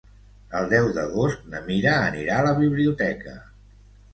El deu d'agost na Mira anirà a la biblioteca.